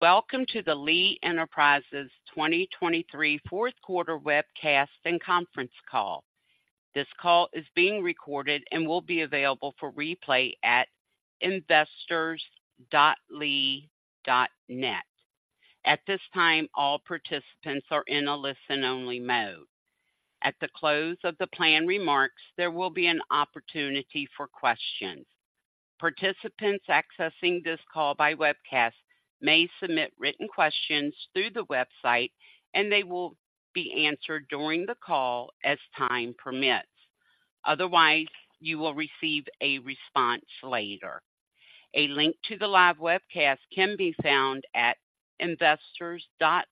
Welcome to the Lee Enterprises 2023 fourth quarter webcast and conference call. This call is being recorded and will be available for replay at investors.lee.net. At this time, all participants are in a listen-only mode. At the close of the planned remarks, there will be an opportunity for questions. Participants accessing this call by webcast may submit written questions through the website, and they will be answered during the call as time permits. Otherwise, you will receive a response later. A link to the live webcast can be found at investors.lee.net.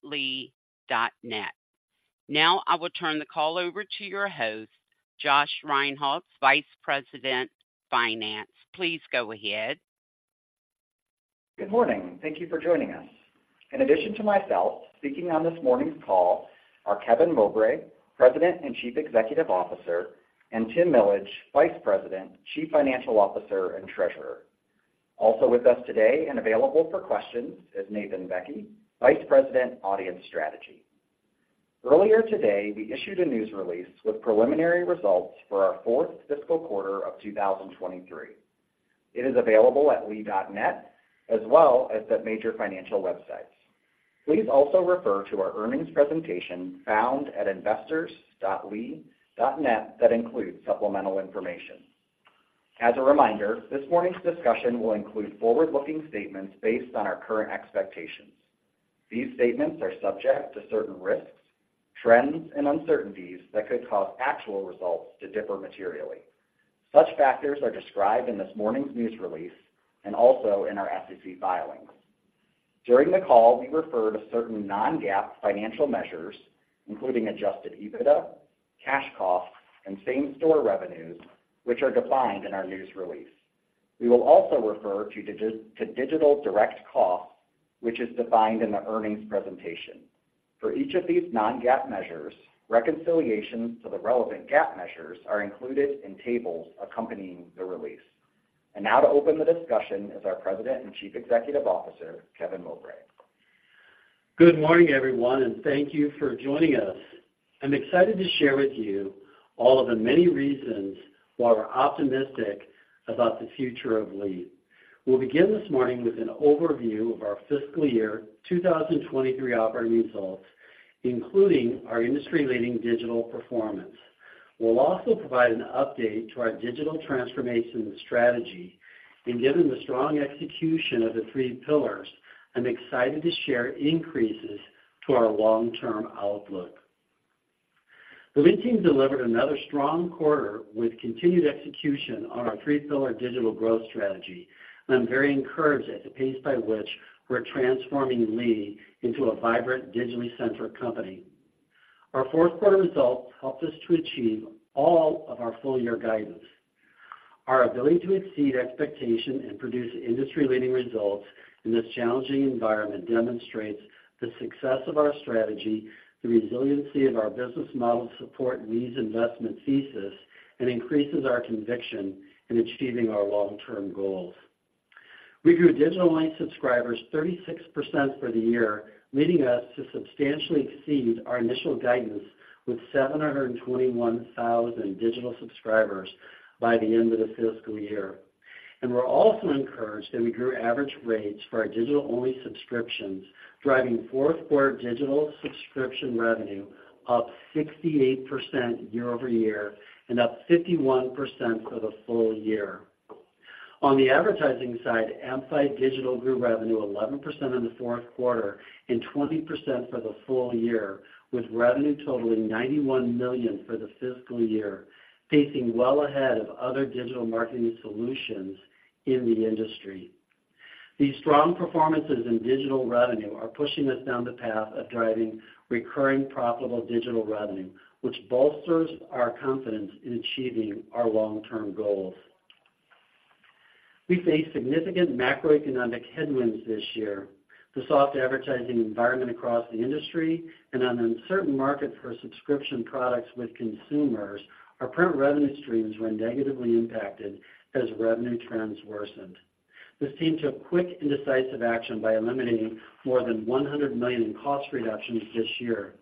Now, I will turn the call over to your host, Josh Rinehults, Vice President, Finance. Please go ahead. Good morning. Thank you for joining us. In addition to myself, speaking on this morning's call are Kevin Mowbray, President and Chief Executive Officer, and Tim Millage, Vice President, Chief Financial Officer, and Treasurer. Also with us today and available for questions is Nathan Bekke, Vice President, Audience Strategy. Earlier today, we issued a news release with preliminary results for our fourth fiscal quarter of 2023. It is available at lee.net, as well as at major financial websites. Please also refer to our earnings presentation found at investors.lee.net that includes supplemental information. As a reminder, this morning's discussion will include forward-looking statements based on our current expectations. These statements are subject to certain risks, trends, and uncertainties that could cause actual results to differ materially. Such factors are described in this morning's news release and also in our SEC filings. During the call, we refer to certain non-GAAP financial measures, including Adjusted EBITDA, Cash Costs, and same-store revenues, which are defined in our news release. We will also refer to digital direct costs, which is defined in the earnings presentation. For each of these non-GAAP measures, reconciliations to the relevant GAAP measures are included in tables accompanying the release. Now to open the discussion is our President and Chief Executive Officer, Kevin Mowbray. Good morning, everyone, and thank you for joining us. I'm excited to share with you all of the many reasons why we're optimistic about the future of Lee. We'll begin this morning with an overview of our fiscal year 2023 operating results, including our industry-leading digital performance. We'll also provide an update to our digital transformation strategy, and given the strong execution of the three pillars, I'm excited to share increases to our long-term outlook. The Lee team delivered another strong quarter with continued execution on our three-pillar digital growth strategy. I'm very encouraged at the pace by which we're transforming Lee into a vibrant, digitally-centric company. Our fourth quarter results helped us to achieve all of our full-year guidance. Our ability to exceed expectation and produce industry-leading results in this challenging environment demonstrates the success of our strategy, the resiliency of our business model, support Lee's investment thesis, and increases our conviction in achieving our long-term goals. We grew digital-only subscribers 36% for the year, leading us to substantially exceed our initial guidance with 721,000 digital subscribers by the end of the fiscal year. We're also encouraged that we grew average rates for our digital-only subscriptions, driving fourth-quarter digital subscription revenue up 68% year-over-year and up 51% for the full year. On the advertising side, Amplified Digital grew revenue 11% in the fourth quarter and 20% for the full year, with revenue totaling $91 million for the fiscal year, pacing well ahead of other digital marketing solutions in the industry. These strong performances in digital revenue are pushing us down the path of driving recurring, profitable digital revenue, which bolsters our confidence in achieving our long-term goals. We faced significant macroeconomic headwinds this year. The soft advertising environment across the industry and an uncertain market for subscription products with consumers. Our print revenue streams were negatively impacted as revenue trends worsened. This team took quick and decisive action by eliminating more than $100 million in cost reductions this year.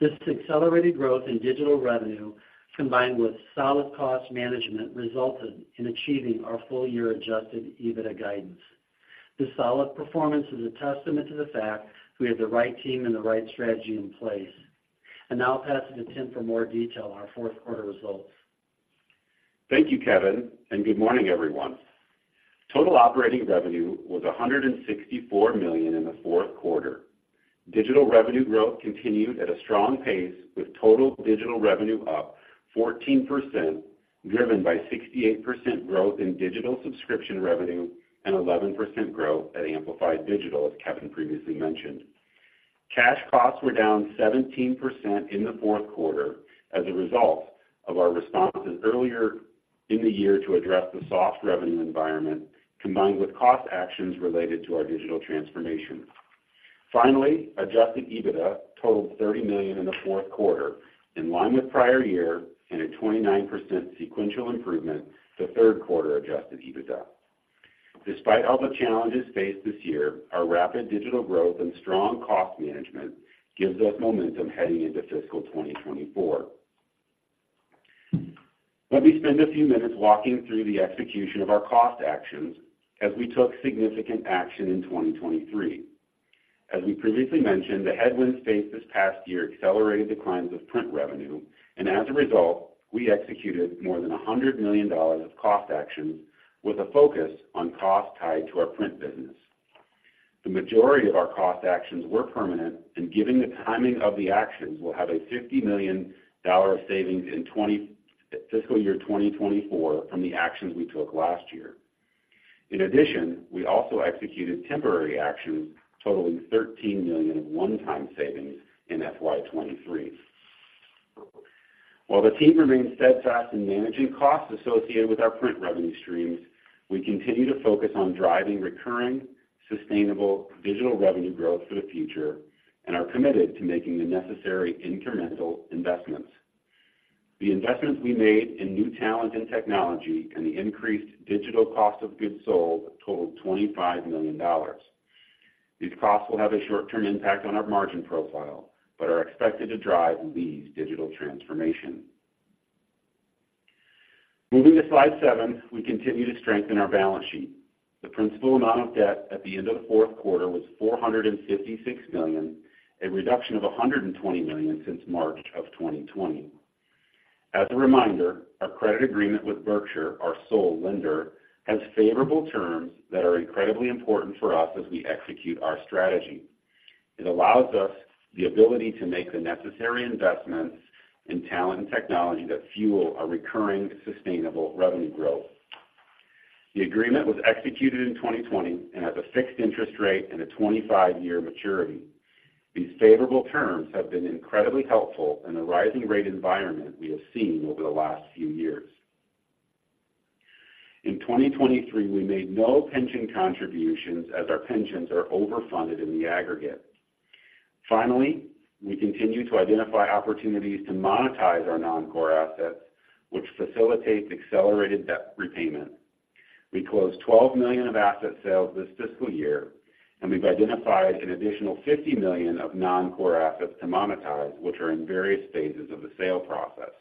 This accelerated growth in digital revenue, combined with solid cost management, resulted in achieving our full-year Adjusted EBITDA guidance. This solid performance is a testament to the fact we have the right team and the right strategy in place. And now I'll pass it to Tim for more detail on our fourth quarter results. Thank you, Kevin, and good morning, everyone. Total operating revenue was $164 million in the fourth quarter. Digital revenue growth continued at a strong pace, with total digital revenue up 14%, driven by 68% growth in digital subscription revenue and 11% growth at Amplified Digital, as Kevin previously mentioned. Cash costs were down 17% in the fourth quarter as a result of our responses earlier in the year to address the soft revenue environment, combined with cost actions related to our digital transformation. Finally, adjusted EBITDA totaled $30 million in the fourth quarter, in line with prior year and a 29% sequential improvement to third quarter adjusted EBITDA. Despite all the challenges faced this year, our rapid digital growth and strong cost management gives us momentum heading into fiscal 2024. Let me spend a few minutes walking through the execution of our cost actions as we took significant action in 2023. As we previously mentioned, the headwinds faced this past year accelerated declines of print revenue, and as a result, we executed more than $100 million of cost actions with a focus on cost tied to our print business. The majority of our cost actions were permanent, and given the timing of the actions, we'll have a $50 million savings in fiscal year 2024 from the actions we took last year. In addition, we also executed temporary actions totaling $13 million one-time savings in FY 2023. While the team remains steadfast in managing costs associated with our print revenue streams, we continue to focus on driving recurring, sustainable digital revenue growth for the future and are committed to making the necessary incremental investments. The investments we made in new talent and technology and the increased digital cost of goods sold totaled $25 million. These costs will have a short-term impact on our margin profile, but are expected to drive Lee's digital transformation. Moving to slide 7, we continue to strengthen our balance sheet. The principal amount of debt at the end of the fourth quarter was $456 million, a reduction of $120 million since March 2020. As a reminder, our credit agreement with Berkshire, our sole lender, has favorable terms that are incredibly important for us as we execute our strategy. It allows us the ability to make the necessary investments in talent and technology that fuel our recurring, sustainable revenue growth. The agreement was executed in 2020 and has a fixed interest rate and a 25 year maturity. These favorable terms have been incredibly helpful in the rising rate environment we have seen over the last few years. In 2023, we made no pension contributions as our pensions are overfunded in the aggregate. Finally, we continue to identify opportunities to monetize our non-core assets, which facilitates accelerated debt repayment. We closed $12 million of asset sales this fiscal year, and we've identified an additional $50 million of non-core assets to monetize, which are in various phases of the sale process.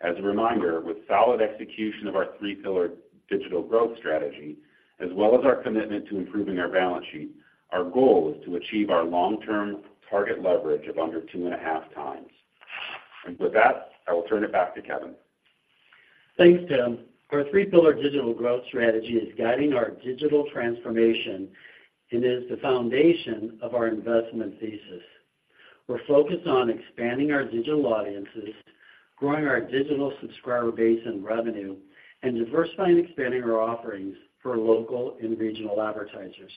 As a reminder, with solid execution of our Three Pillar Digital Growth Strategy, as well as our commitment to improving our balance sheet, our goal is to achieve our long-term target leverage of under 2.5x. With that, I will turn it back to Kevin. Thanks, Tim. Our Three Pillar Digital Growth Strategy is guiding our digital transformation and is the foundation of our investment thesis. We're focused on expanding our digital audiences, growing our digital subscriber base and revenue, and diversifying and expanding our offerings for local and regional advertisers.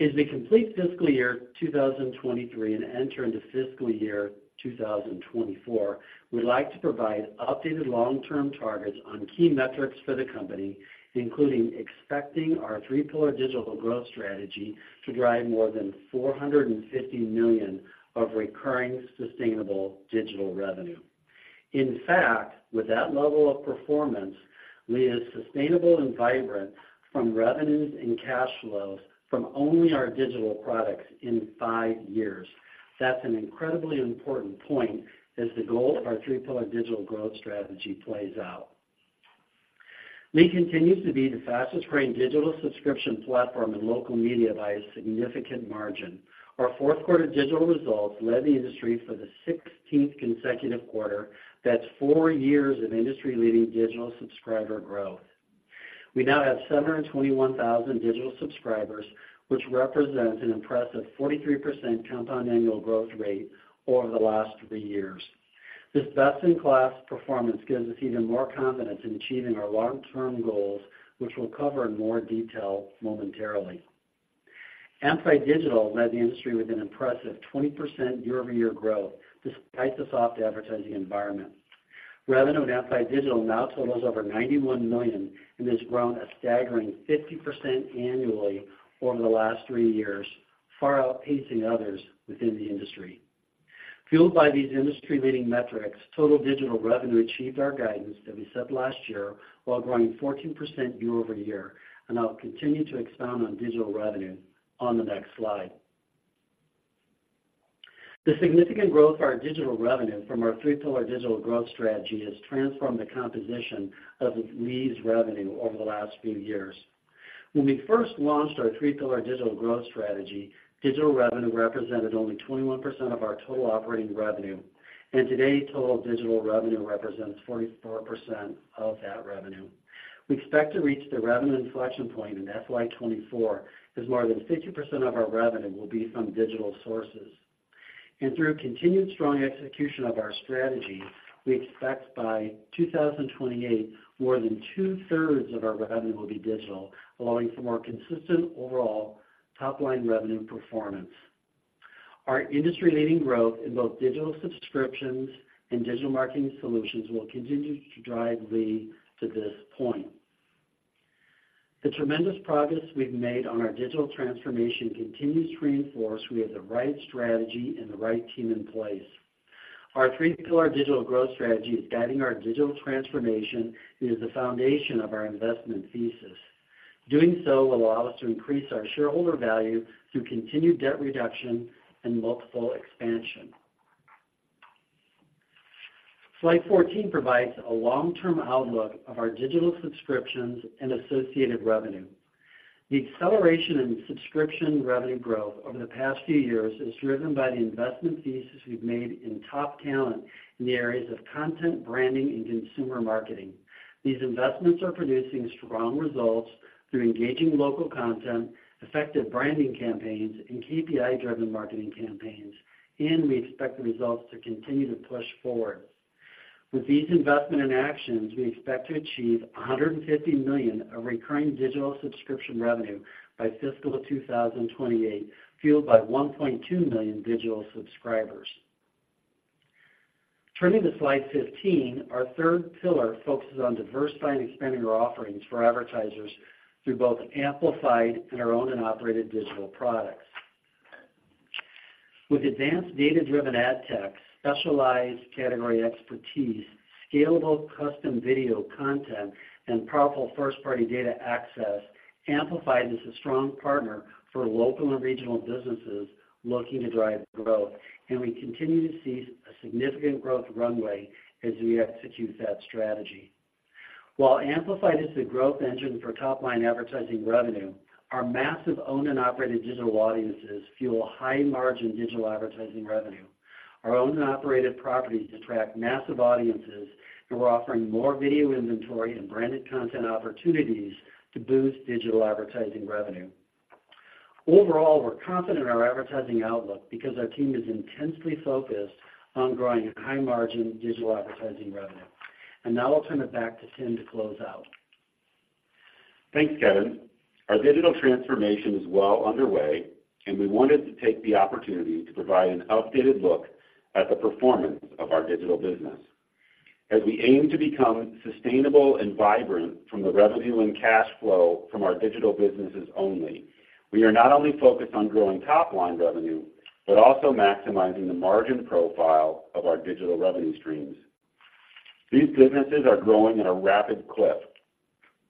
As we complete fiscal year 2023 and enter into fiscal year 2024, we'd like to provide updated long-term targets on key metrics for the company, including expecting our Three Pillar Digital Growth Strategy to drive more than $450 million of recurring, sustainable digital revenue. In fact, with that level of performance, Lee is sustainable and vibrant from revenues and cash flows from only our digital products in five years. That's an incredibly important point as the goal of our Three Pillar Digital Growth Strategy plays out. Lee continues to be the fastest-growing digital subscription platform in local media by a significant margin. Our fourth quarter digital results led the industry for the 16th consecutive quarter. That's four years of industry-leading digital subscriber growth. We now have 721,000 digital subscribers, which represents an impressive 43% compound annual growth rate over the last three years. This best-in-class performance gives us even more confidence in achieving our long-term goals, which we'll cover in more detail momentarily. Amplified Digital led the industry with an impressive 20% year-over-year growth, despite the soft advertising environment. Revenue at Amplified Digital now totals over $91 million and has grown a staggering 50% annually over the last three years, far outpacing others within the industry. Fueled by these industry-leading metrics, total digital revenue achieved our guidance that we set last year, while growing 14% year-over-year, and I'll continue to expound on digital revenue on the next slide. The significant growth of our digital revenue from our Three Pillar Digital Growth Strategy has transformed the composition of Lee's revenue over the last few years. When we first launched our Three Pillar Digital Growth Strategy, digital revenue represented only 21% of our total operating revenue, and today, total digital revenue represents 44% of that revenue. We expect to reach the revenue inflection point in FY 2024, as more than 50% of our revenue will be from digital sources. And through continued strong execution of our strategy, we expect by 2028, more than two-thirds of our revenue will be digital, allowing for more consistent overall top-line revenue performance. Our industry-leading growth in both digital subscriptions and digital marketing solutions will continue to drive Lee to this point. The tremendous progress we've made on our digital transformation continues to reinforce we have the right strategy and the right team in place. Our Three Pillar Digital Growth Strategy is guiding our digital transformation and is the foundation of our investment thesis. Doing so will allow us to increase our shareholder value through continued debt reduction and multiple expansion. Slide 14 provides a long-term outlook of our digital subscriptions and associated revenue. The acceleration in subscription revenue growth over the past few years is driven by the investment thesis we've made in top talent in the areas of content branding and consumer marketing. These investments are producing strong results through engaging local content, effective branding campaigns, and KPI-driven marketing campaigns, and we expect the results to continue to push forward. With these investment and actions, we expect to achieve $150 million of recurring digital subscription revenue by fiscal 2028, fueled by 1.2 million digital subscribers. Turning to slide 15, our third pillar focuses on diversifying and expanding our offerings for advertisers through both Amplified and our owned and operated digital products. With advanced data-driven ad tech, specialized category expertise, scalable custom video content, and powerful first-party data access, Amplified is a strong partner for local and regional businesses looking to drive growth, and we continue to see a significant growth runway as we execute that strategy. While Amplified is the growth engine for top-line advertising revenue, our massive owned and operated digital audiences fuel high-margin digital advertising revenue. Our owned and operated properties attract massive audiences, and we're offering more video inventory and branded content opportunities to boost digital advertising revenue. Overall, we're confident in our advertising outlook because our team is intensely focused on growing high-margin digital advertising revenue. Now I'll turn it back to Tim to close out. Thanks, Kevin. Our digital transformation is well underway, and we wanted to take the opportunity to provide an updated look at the performance of our digital business. As we aim to become sustainable and vibrant from the revenue and cash flow from our digital businesses only, we are not only focused on growing top-line revenue, but also maximizing the margin profile of our digital revenue streams. These businesses are growing at a rapid clip.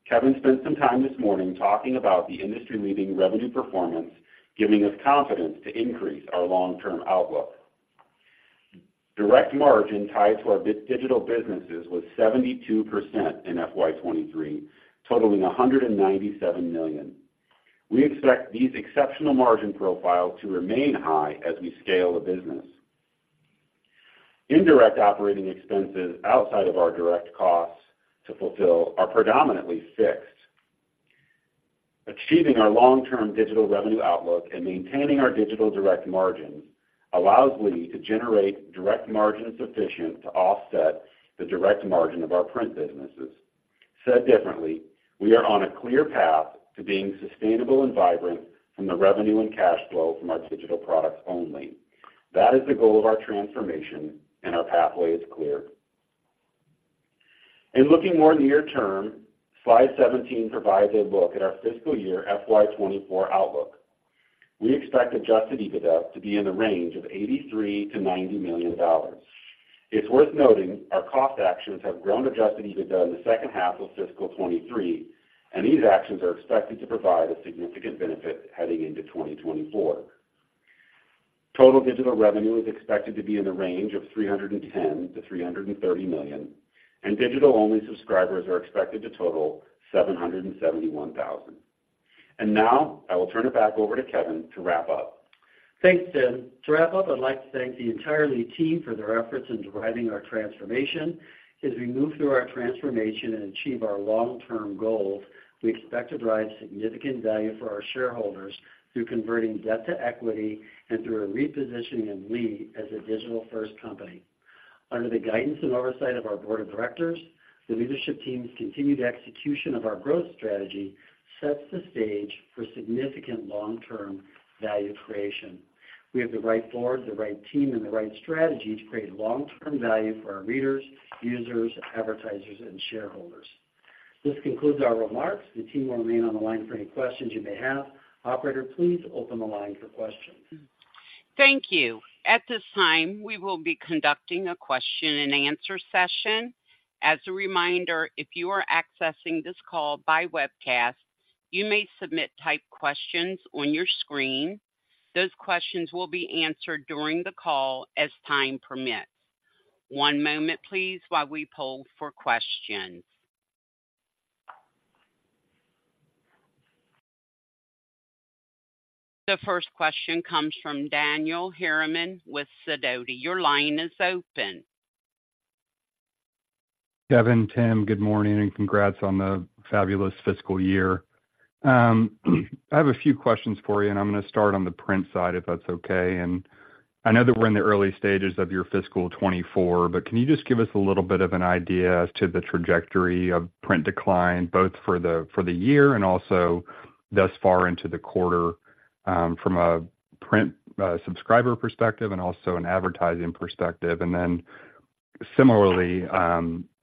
Kevin spent some time this morning talking about the industry-leading revenue performance, giving us confidence to increase our long-term outlook. Direct margin tied to our digital businesses was 72% in FY 2023, totaling $197 million. We expect these exceptional margin profiles to remain high as we scale the business. Indirect operating expenses outside of our direct costs to fulfill are predominantly fixed. Achieving our long-term digital revenue outlook and maintaining our digital direct margins allows Lee to generate direct margin sufficient to offset the direct margin of our print businesses. Said differently, we are on a clear path to being sustainable and vibrant from the revenue and cash flow from our digital products only. That is the goal of our transformation, and our pathway is clear. Looking more near term, slide 17 provides a look at our fiscal year FY 2024 outlook. We expect Adjusted EBITDA to be in the range of $83 million-$90 million. It's worth noting our cost actions have grown Adjusted EBITDA in the second half of fiscal 2023, and these actions are expected to provide a significant benefit heading into 2024. Total digital revenue is expected to be in the range of $310 million-$330 million, and digital-only subscribers are expected to total 771,000. Now I will turn it back over to Kevin to wrap up. Thanks, Tim. To wrap up, I'd like to thank the entire Lee team for their efforts in driving our transformation. As we move through our transformation and achieve our long-term goals, we expect to drive significant value for our shareholders through converting debt to equity and through a repositioning of Lee as a digital-first company. Under the guidance and oversight of our board of directors, the leadership team's continued execution of our growth strategy sets the stage for significant long-term value creation. We have the right board, the right team, and the right strategy to create long-term value for our readers, users, advertisers, and shareholders. This concludes our remarks. The team will remain on the line for any questions you may have. Operator, please open the line for questions. Thank you. At this time, we will be conducting a question-and-answer session. As a reminder, if you are accessing this call by webcast, you may submit typed questions on your screen. Those questions will be answered during the call as time permits. One moment, please, while we poll for questions. The first question comes from Daniel Harriman with Sidoti. Your line is open. Kevin, Tim, good morning, and congrats on the fabulous fiscal year. I have a few questions for you, and I'm going to start on the print side, if that's okay. And I know that we're in the early stages of your fiscal 2024, but can you just give us a little bit of an idea as to the trajectory of print decline, both for the year and also thus far into the quarter, from a print subscriber perspective and also an advertising perspective? And then similarly,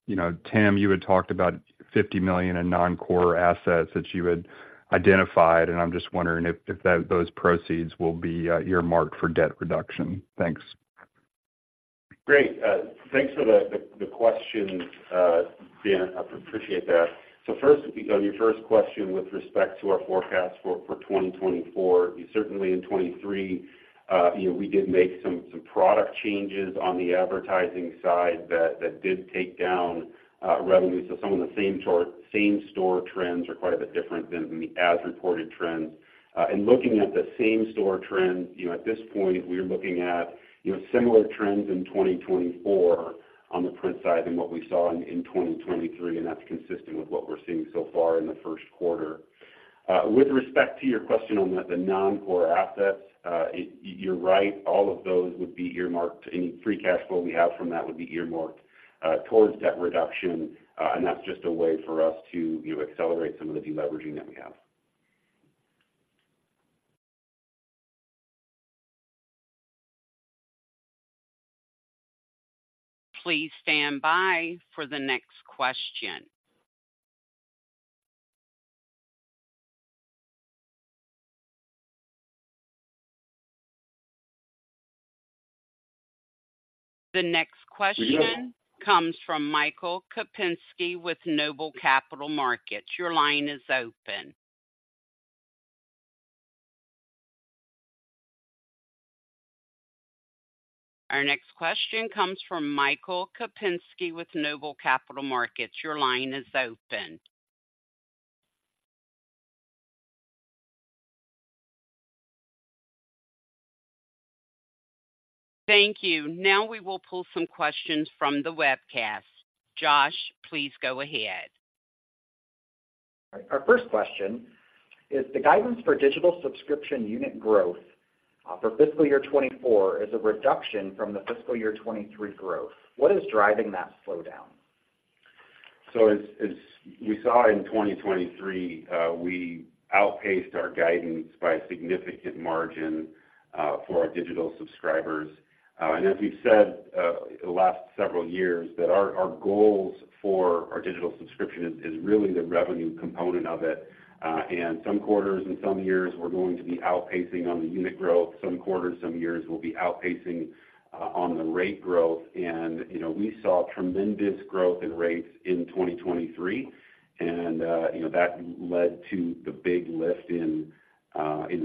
you know, Tim, you had talked about $50 million in non-core assets that you had identified, and I'm just wondering if those proceeds will be your mark for debt reduction. Thanks. Great. Thanks for the question, Dan. I appreciate that. So first, on your first question with respect to our forecast for 2024, certainly in 2023, you know, we did make some product changes on the advertising side that did take down revenue. So some of the same store trends are quite a bit different than the as reported trends. And looking at the same store trends, you know, at this point, we're looking at, you know, similar trends in 2024 on the print side than what we saw in 2023, and that's consistent with what we're seeing so far in the first quarter. With respect to your question on the non-core assets, you're right. All of those would be earmarked. Any free cash flow we have from that would be earmarked towards debt reduction, and that's just a way for us to, you know, accelerate some of the deleveraging that we have. Please stand by for the next question. The next question comes from Michael Kupinski with Noble Capital Markets. Your line is open. Our next question comes from Michael Kupinski with Noble Capital Markets. Your line is open. Thank you. Now we will pull some questions from the webcast. Josh, please go ahead. Our first question is, the guidance for digital subscription unit growth for fiscal year 2024 is a reduction from the fiscal year 2023 growth. What is driving that slowdown? So as we saw in 2023, we outpaced our guidance by a significant margin for our digital subscribers. And as we've said the last several years, that our goals for our digital subscription is really the revenue component of it. And some quarters and some years we're going to be outpacing on the unit growth. Some quarters, some years we'll be outpacing on the rate growth, and, you know, we saw tremendous growth in rates in 2023, and, you know, that led to the big lift in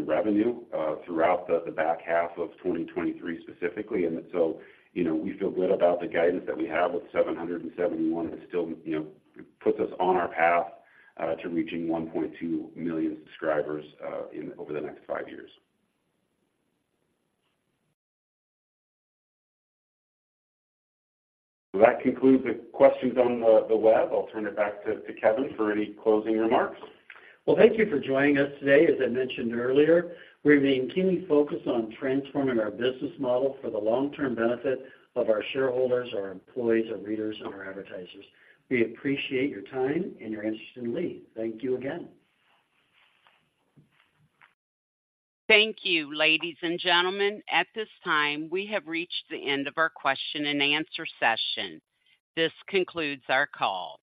revenue throughout the back half of 2023, specifically. And so, you know, we feel good about the guidance that we have with 771. It still, you know, puts us on our path to reaching 1.2 million subscribers in over the next five years. Well, that concludes the questions on the web. I'll turn it back to Kevin for any closing remarks. Well, thank you for joining us today. As I mentioned earlier, we remain keenly focused on transforming our business model for the long-term benefit of our shareholders, our employees, our readers, and our advertisers. We appreciate your time and your interest in Lee. Thank you again. Thank you, ladies and gentlemen. At this time, we have reached the end of our question-and-answer session. This concludes our call.